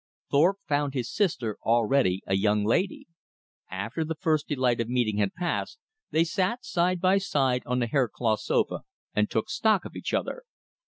Thorpe found his sister already a young lady. After the first delight of meeting had passed, they sat side by side on the haircloth sofa and took stock of each other.